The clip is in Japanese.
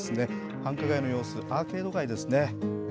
繁華街の様子、アーケード街ですね。